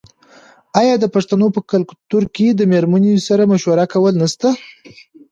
آیا د پښتنو په کلتور کې د میرمنې سره مشوره کول نشته؟